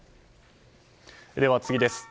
では次です。